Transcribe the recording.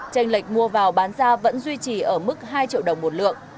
tranh lệch mua vào bán ra vẫn duy trì ở mức hai triệu đồng một lượng